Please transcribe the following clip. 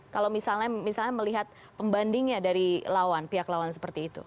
kalau misalnya melihat pembandingnya dari lawan pihak lawan seperti itu